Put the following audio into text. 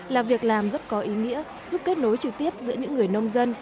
là việc làm rất có ý nghĩa giúp kết nối trực tiếp giữa những người nông dân